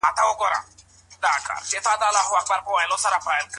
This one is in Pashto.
لویه جرګه کله خپل کار پای ته رسوي؟